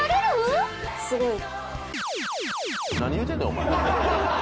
すごい。